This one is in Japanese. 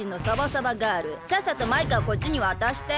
さっさとマイカをこっちにわたして。